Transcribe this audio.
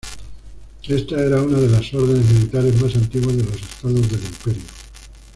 Esta era una de los órdenes militares más antiguas de los estados del Imperio.